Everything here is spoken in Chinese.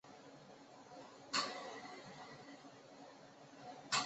而其余的住宿生住在格湾布拉宿舍。